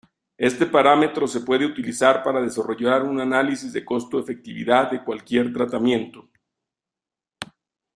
Este parámetro se puede utilizar para desarrollar un análisis de costo-efectividad de cualquier tratamiento.